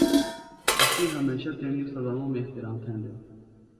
اسی ہمیشہ تیݨی اوستاذانومی احتِرام تھینڈیوۡ